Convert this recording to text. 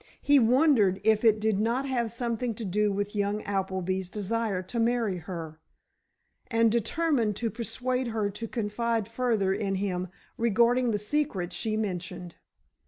He wondered if it did not have something to do with young Appleby's desire to marry her, and determined to persuade her to confide further in him regarding the secret she mentioned.